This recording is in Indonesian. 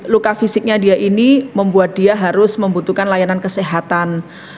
luka fisiknya dia ini membuat dia harus membutuhkan layanan kesehatan